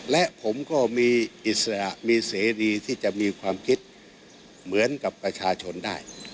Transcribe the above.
และผมก็มีอิสระมีเสรีที่จะมีความคิดเหมือนกับประชาชนได้